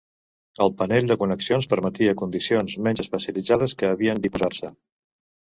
El panell de connexions permetia condicions menys especialitzades que havien d'imposar-se.